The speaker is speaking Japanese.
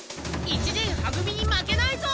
一年は組に負けないぞ！